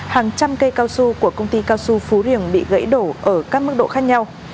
hàng trăm cây cao su của công ty cao su phú riềng bị gãy đổ ở các mức độ khác nhau